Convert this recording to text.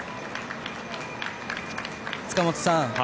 塚本さん